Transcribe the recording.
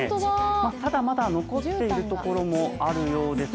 まだまだ残っているところもあるようです。